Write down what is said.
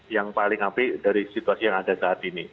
yang paling api dari situasi yang ada saat ini